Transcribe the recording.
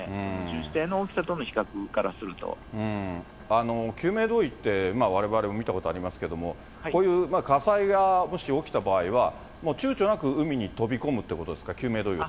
巡視艇の大き救命胴衣って、われわれ見たことありますけれども、こういう火災がもし起きた場合は、もうちゅうちょなく海に飛び込むってことですか？